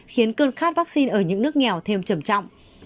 khiến cơn khát vaccine ở những nước nghèo thêm trầm trọng